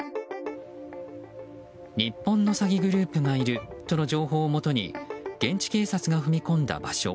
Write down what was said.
日本の詐欺グループがいるとの情報をもとに現地警察が踏み込んだ場所。